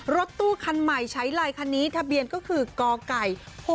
รถตู้คันใหม่ใช้ไลน์คันนี้ทะเบียนก็คือกไก่๖๖